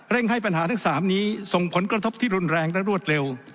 ให้ปัญหาทั้ง๓นี้ส่งผลกระทบที่รุนแรงและรวดเร็ว